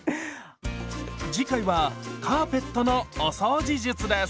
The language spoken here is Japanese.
次回はカーペットのお掃除術です。